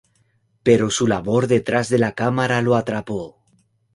Pero su labor detrás de la cámara lo atrapó.